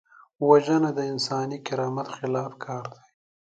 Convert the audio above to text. وژنه د انساني کرامت خلاف کار دی